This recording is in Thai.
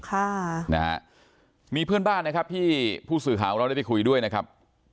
ค่ะนะฮะมีเพื่อนบ้านนะครับที่ผู้สื่อข่าวของเราได้ไปคุยด้วยนะครับ